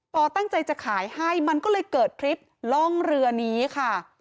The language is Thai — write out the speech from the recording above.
ตั้งใจจะขายให้มันก็เลยเกิดคลิปล่องเรือนี้ค่ะ